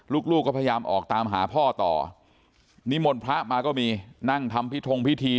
ลูกก็พยายามออกตามหาพ่อต่อนิมนต์พระมาก็มีนั่งทำพิธงพิธี